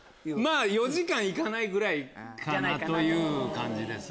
４時間行かないぐらいかなという感じ。